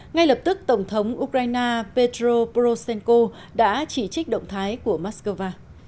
ngay lập tức tổng thống ukraine petro poroshenko đã chỉ trích động thái của moscow